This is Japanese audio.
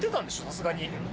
さすがに。